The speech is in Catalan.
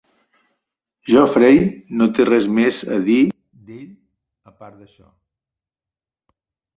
Geoffrey no té res més a dir d'ell a part d'això.